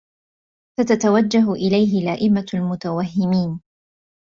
فَتَتَوَجَّهُ إلَيْهِ لَائِمَةُ الْمُتَوَهِّمِينَ